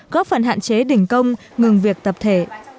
chế đỉnh công ngừng việc tập thể